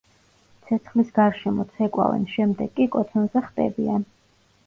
ცეცხლის გარშემო ცეკვავენ, შემდეგ კი კოცონზე ხტებიან.